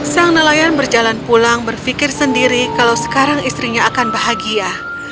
sang nelayan berjalan pulang berpikir sendiri kalau sekarang istrinya akan bahagia